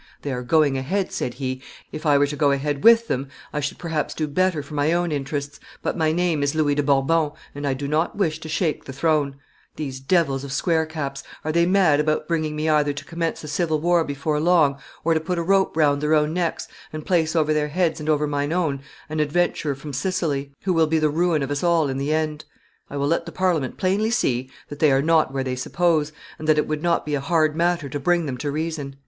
"They are going ahead," said he: "if I were to go ahead with them, I should perhaps do better for my own interests, but my name is Louis de Bourbon, and I do not wish to shake the throne; these devils of squarecaps, are they mad about bringing me either to commence a civil war before long, or to put a rope round their own necks, and place over their heads and over my own an adventurer from Sicily, who will be the ruin of us all in the end? I will let the Parliament plainly see that they are not where they suppose, and that it would not be a hard matter to bring them to reason."